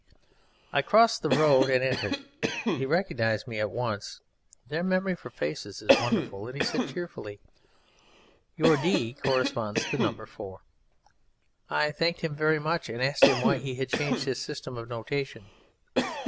I crossed the road and entered. He recognized me at once (their memory for faces is wonderful), and said cheerfully: "Your D corresponds to the number 4." I thanked him very much, and asked him why he had changed his system of notation.